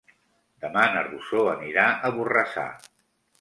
Demà na Rosó anirà a Borrassà.